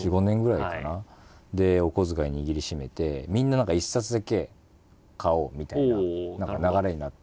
お小遣い握りしめてみんな何か一冊だけ買おうみたいな流れになって。